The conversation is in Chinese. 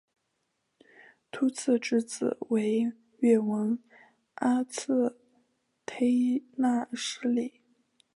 秃剌之子为越王阿剌忒纳失里。